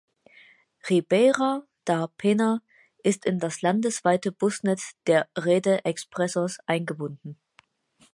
Ribeira da Pena ist in das landesweite Busnetz der Rede Expressos eingebunden.